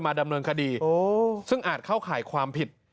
ดำเนินคดีซึ่งอาจเข้าข่ายความผิด